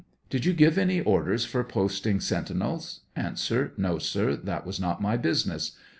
Did you give any orders for posting sentinels ? A. No, sir ;• that was not my business.